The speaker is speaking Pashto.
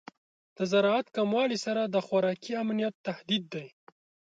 د زراعت د کموالی سره د خوراکي امنیت تهدید دی.